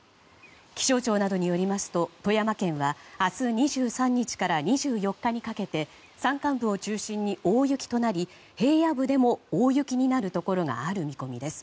気象庁などによりますと富山県は明日２３日から２４日にかけて山間部を中心に大雪となり平野部でも大雪になるところがある見込みです。